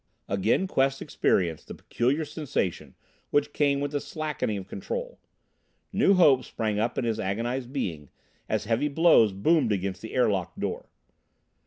Again Quest experienced the peculiar sensation which came with the slackening of control. New hope sprang up in his agonized being as heavy blows boomed against the air locked door.